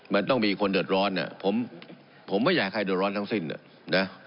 มันต้องมีคนเดือดร้อนผมไม่อยากให้ใครเดือดร้อนทั้งสิ้นนะ